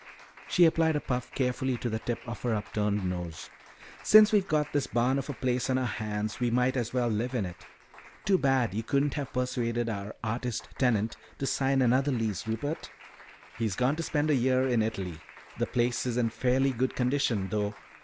She applied a puff carefully to the tip of her upturned nose. "Since we've got this barn of a place on our hands, we might as well live in it. Too bad you couldn't have persuaded our artist tenant to sign another lease, Rupert." "He's gone to spend a year in Italy. The place is in fairly good condition though.